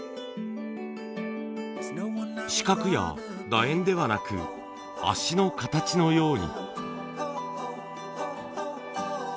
四角や楕円ではなく足の形のように。